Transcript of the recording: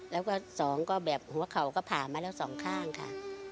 แล้วก็สองก็แบบหัวเข่าก็ผ่ามาแล้วสองข้างค่ะ